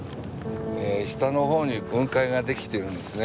下のほうに雲海ができてるんですね。